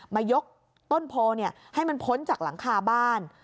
มายกต้นโพให้มันพ้นจากหลังคาบ้าน